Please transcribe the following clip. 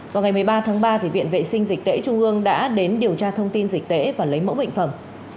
vào ngày một mươi ba tháng ba viện vệ sinh dịch tễ trung ương đã đến điều tra thông tin dịch tễ và lấy mẫu bệnh phẩm